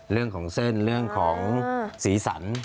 เรื่องของเส้นเรื่องของสีสัน